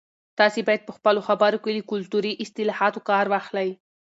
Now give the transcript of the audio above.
تاسي باید په خپلو خبرو کې له کلتوري اصطلاحاتو کار واخلئ.